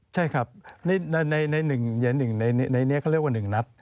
ใช่ครับในนี้เขาเรียกว่า๑นัด